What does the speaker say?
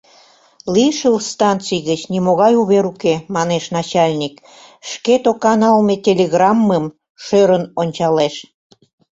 — Лишыл станций гыч нимогай увер уке, — манеш начальник, шке тока налме телеграммым шӧрын ончалеш.